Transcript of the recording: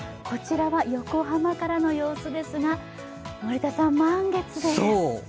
こちらは横浜からの様子ですが満月です。